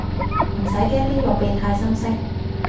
唔使驚啲肉變太深色